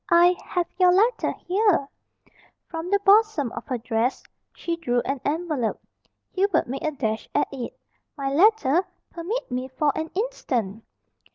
I have your letter here " From the bosom of her dress she drew an envelope. Hubert made a dash at it. "My letter? Permit me for an instant!"